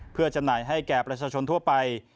เพื่อจำหน่ายให้แก่ประชาชนทั่วไป